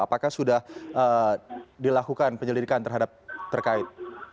apakah sudah dilakukan penyelidikan terhadap terkait